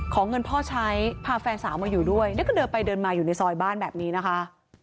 เงินพ่อใช้พาแฟนสาวมาอยู่ด้วยแล้วก็เดินไปเดินมาอยู่ในซอยบ้านแบบนี้นะคะ